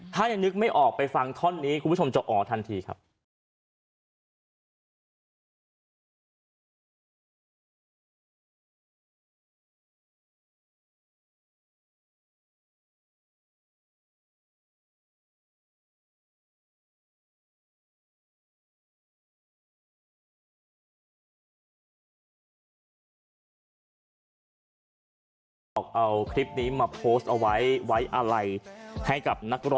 ถ้ายังนึกไม่ออกไปฟังท่อนนี้คุณผู้ชมจะอ๋อทันทีครับ